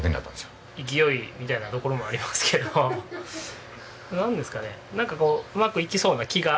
勢いみたいなところもありますけどなんですかねなんかこううまくいきそうな気が。